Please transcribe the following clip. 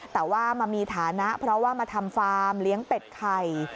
แต่ว่ามามีฐานะเพราะว่ามาทำฟาร์มเลี้ยงเป็ดไข่